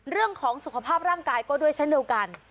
เรื่องของสุขภาพร่างกายก็ด้วยเช่นเดียวกัน